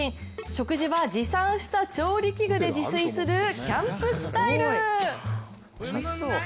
食事は持参した調理器具で自炊するキャンプスタイル。